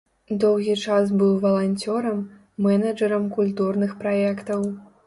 Доўгі час быў валанцёрам, менеджарам культурных праектаў.